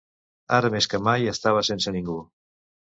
Ara més que mai estava sense ningú.